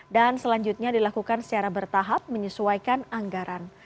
dan selanjutnya dilakukan secara bertahap menyesuaikan anggaran